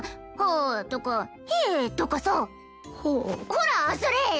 ほらそれ！